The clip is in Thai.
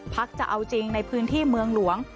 จะเอาจริงในพื้นที่เมืองหลวง